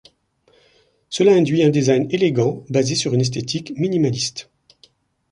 Cela induit un design élégant basé sur une esthétique minimaliste.